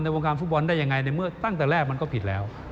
วงการฟุตบอลได้ยังไงในเมื่อตั้งแต่แรกมันก็ผิดแล้ว